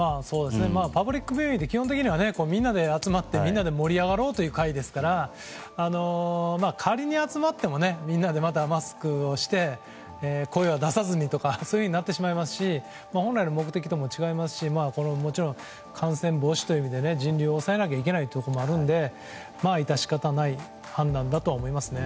パブリックビューイングは基本的には、みんなで集まってみんなで盛り上がろうという会ですから仮に集まってもみんなでマスクをして声を出さずにとかになってしまいますし本来の目的とも違いますしもちろん感染防止という意味で人流を抑えなきゃいけないところもあるので致し方ない判断だと思いますね。